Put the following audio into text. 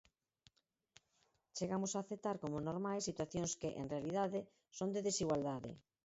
Chegamos a aceptar como normais situacións que, en realidade, son de desigualdade.